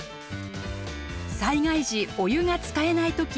災害時お湯が使えない時